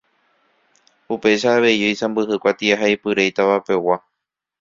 Upéicha avei oisãmbyhy kuatiahaipyre itavapegua.